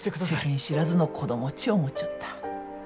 世間知らずの子供っち思っちょった。